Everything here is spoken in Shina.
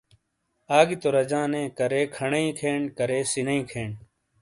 آگی تو راجاں نے کارے کھنئیے کھین کارے سِنیئی کھین ۔